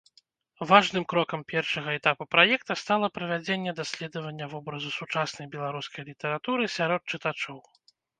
Важным крокам першага этапу праекта стала правядзенне даследавання вобразу сучаснай беларускай літаратуры сярод чытачоў.